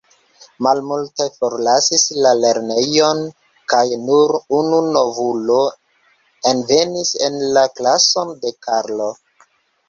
Malmultaj forlasis la lernejon kaj nur unu novulo envenis en la klason de Karlo.